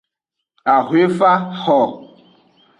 Ahoefa xo.